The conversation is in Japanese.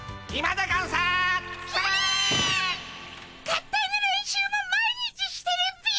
合体の練習も毎日してるっピ。